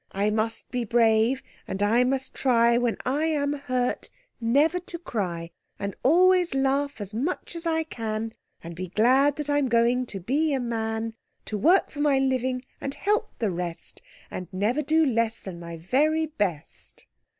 I must be brave, and I must try When I am hurt never to cry, And always laugh as much as I can, And be glad that I'm going to be a man To work for my living and help the rest And never do less than my very best."